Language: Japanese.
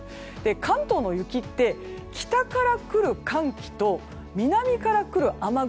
関東の雪って北から来る寒気と南から来る雨雲